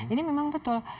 ini memang betul